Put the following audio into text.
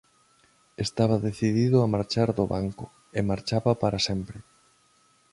Estaba decidido a marchar do banco e marchaba para sempre.